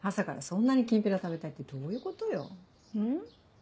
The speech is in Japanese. ん？